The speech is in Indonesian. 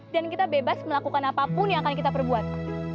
dan kita bebas melakukan apapun yang akan kita perbuat